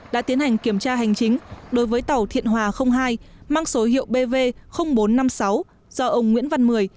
đã tiến hành kiểm tra hành chính đối với tàu thiện hòa hai mang số hiệu bv bốn trăm năm mươi sáu do ông nguyễn văn mười